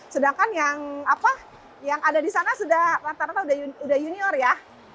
sedangkan yang ada di sana sudah rata rata udah junior ya